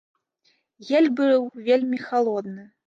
Гель быў вельмі халодны.